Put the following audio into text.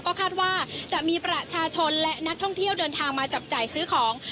ก็คาดว่าจะมีประชาชนและนักท่องเที่ยวเดินทางมาจับจ่ายซื้อของ